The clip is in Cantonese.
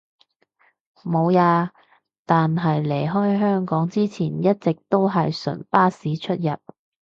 無呀，但係離開香港之前一直都係純巴士出入